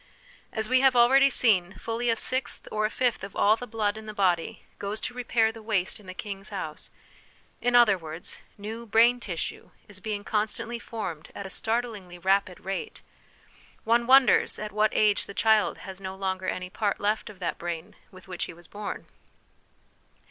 As we have already seen, fully a sixth or a fifth of all the blood in the body goes to repair the waste in the king's house; in other words, new brain tissue is being constantly formed at a startlingly rapid rate : one wonders at what age the child has no longer any part left of that brain with which he was born.